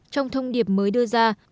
trong thông điệp mới đưa ra